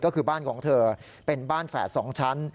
ก็คือบ้านของเธอเป็นบ้านแฝด๒ชั้น